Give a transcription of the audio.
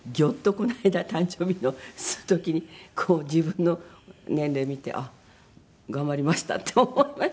この間誕生日の時に自分の年齢見てあっ頑張りましたって思いました。